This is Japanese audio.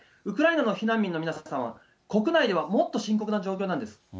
ウクライナの避難民の皆さんは、国内ではもっと深刻な状況なんです。